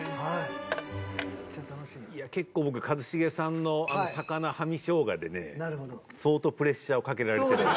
結構僕一茂さんのあの魚生姜でね相当プレッシャーをかけられてると。